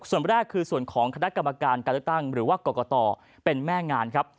ส่วนแรกคือส่วนของคณะกรรมการการเลือกตั้งหรือว่ากรกตเป็นแม่งานครับ